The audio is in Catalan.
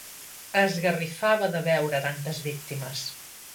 Esgarrifava de veure tantes víctimes.